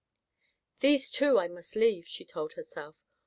"These, too, I must leave," she told herself.